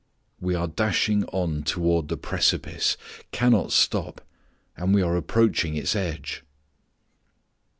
We are dashing on toward the precipice, cannot stop, and we are approaching its edge.